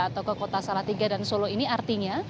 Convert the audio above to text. atau ke kota salatiga dan solo ini artinya